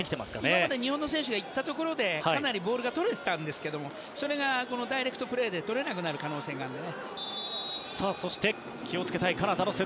今までは日本選手が行ったところでかなりボールがとれてたんですけどダイレクトプレーでとれなくなる可能性があるので。